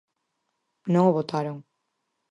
Non o botaron.